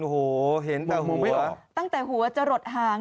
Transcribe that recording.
โอ้โหเห็นแต่หัวมองไม่ออกตั้งแต่หัวจะหลดหาง